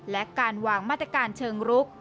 และการวางมาตรการเชิงรุก